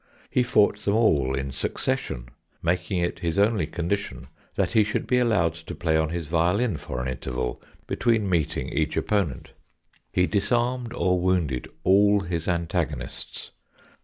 He fought them all in succession making it his only condition that he should be allowed to play on his violin for an interval between meeting each opponent. He disarmed or wounded all his antagonists.